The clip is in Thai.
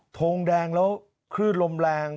ทงแดงแล้วคลื่นลมแรง